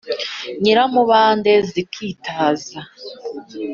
nyiramubande zikitaza